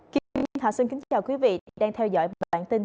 kính chào quý vị đang theo dõi bản tin